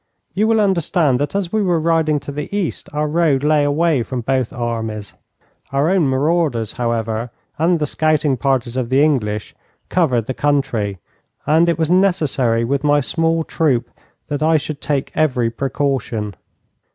You will understand that as we were riding to the east, our road lay away from both armies. Our own marauders, however, and the scouting parties of the English, covered the country, and it was necessary with my small troop that I should take every precaution.